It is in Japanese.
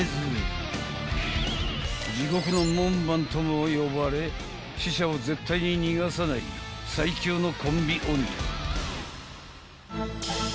［地獄の門番とも呼ばれ死者を絶対に逃がさない最強のコンビ鬼］